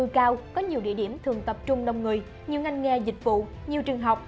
cao có nhiều địa điểm thường tập trung đông người nhiều ngành nghề dịch vụ nhiều trường học